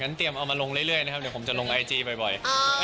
เตรียมเอามาลงเรื่อยนะครับเดี๋ยวผมจะลงไอจีบ่อย